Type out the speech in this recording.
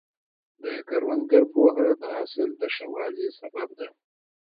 د کروندګر پوهه د حاصل د ښه والي سبب ده.